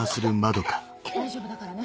大丈夫だからね。